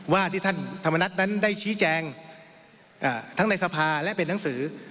ว่าที่ท่านธรรมนัฐนั้นได้ชี้แจงทั้งในสภาและเป็นหนังสือ